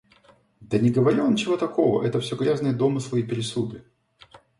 Да не говорил он ничего такого, это всё грязные домыслы и пересуды!